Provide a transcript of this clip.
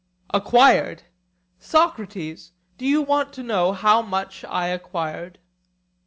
Acquired! Socrates; do you want to know how much I acquired?